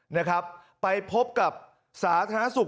นะครับไปพบกับสาธารณสุข